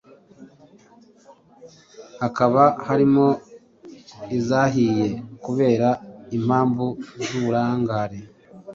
hakaba harimo izahiye kubera impamvu z’uburangare